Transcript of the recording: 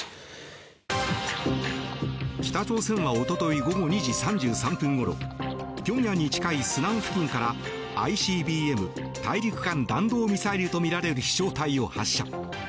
北朝鮮はおととい午後２時３３分ごろ平壌に近いスナン付近からＩＣＢＭ・大陸間弾道ミサイルとみられる飛翔体を発射。